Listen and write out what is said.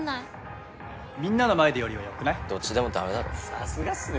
さすがっすね